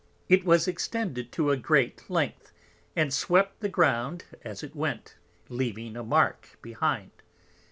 It was extended to a great Length, and swept the Ground as it went, leaving a Mark behind.